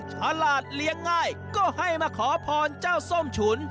ฉลาดเลี้ยงง่ายก็ให้มาขอพรเจ้าส้มฉุน